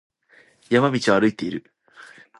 山道を歩いている。